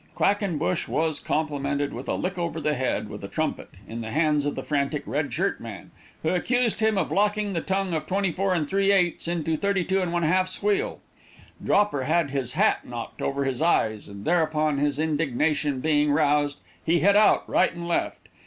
Quackenbush was complimented with a lick over the head with a trumpet, in the hands of the frantic red shirt man, who accused him of locking the tongue of 24 3/8 into 32 1/2's wheel. Dropper had his hat knocked over his eyes, and thereupon, his indignation being roused, he hit out, right and left.